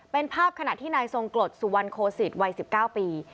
เป็นภาพขนาดที่นายทรงกลดสุวรรคโคซิตวัยสิบเก้าปี